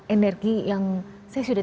energi yang saya sudah